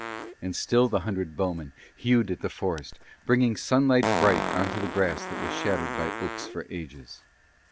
And still the hundred bowmen hewed at the forest, bringing sunlight bright on to grass that was shadowed by oaks for ages.